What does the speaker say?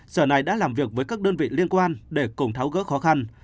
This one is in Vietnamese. sở này đã làm việc với các đơn vị liên quan để cùng tháo gỡ khó khăn